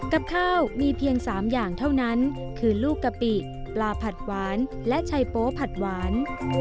กับข้าวมีเพียง๓อย่างเท่านั้นคือลูกกะปิปลาผัดหวานและชัยโป๊ผัดหวาน